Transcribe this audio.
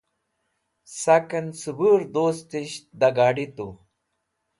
sak'en cubur dustisht da gadi tu